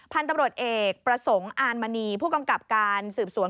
พันธุ์ตำรวจเอกประสงค์อารมณีผู้กำกับการสืบสวน